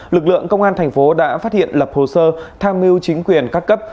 lực lượng công an thành phố đã phát hiện lập hồ sơ tham mưu chính quyền các cấp